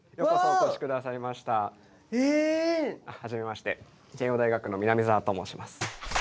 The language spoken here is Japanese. はじめまして慶應大学の南澤と申します。